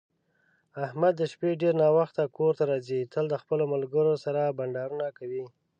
احمد د شپې ډېر ناوخته کورته راځي، تل د خپلو ملگرو سره بنډارونه کوي.